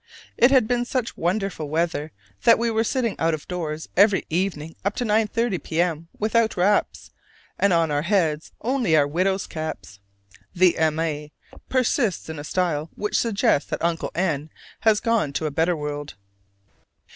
It had been such wonderful weather that we were sitting out of doors every evening up to 9.30 P.M. without wraps, and on our heads only our "widows' caps." (The M. A. persists in a style which suggests that Uncle N. has gone to a better world.)